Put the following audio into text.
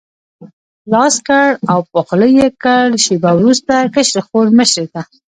لاس کړ او په خوله یې کړ، شېبه وروسته کشرې خور مشرې ته.